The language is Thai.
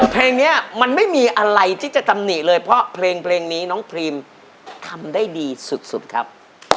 เพลงนี้มันไม่มีอะไรที่จะตำหนิเลยเพราะเพลงนี้น้องพรีมทำได้ดีสุดครับ